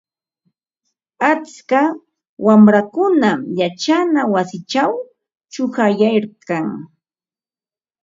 Atska wamrakunam yachana wasichaw chuqayarkan.